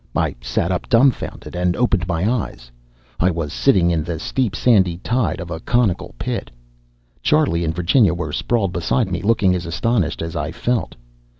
I sat up, dumbfounded, and opened my eyes. I was sitting on the steep sandy side of a conical pit. Charlie and Virginia were sprawled beside me, looking as astonished as I felt.